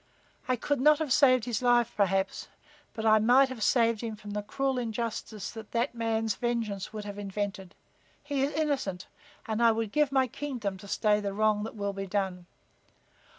"I could not have saved his life, perhaps, but I might have saved him from the cruel injustice that that man's vengeance would have invented. He is innocent, and I would give my kingdom to stay the wrong that will be done."